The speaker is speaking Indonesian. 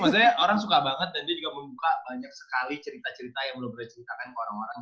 maksudnya orang suka banget dan dia juga suka banyak sekali cerita cerita yang lo berceritakan ke orang orang